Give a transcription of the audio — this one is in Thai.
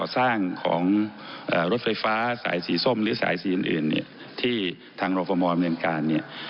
ทั้งรถไฟฟ้าสายสีส้มหรือสายสีอื่นที่ทางโรฟมอร์เมืองการ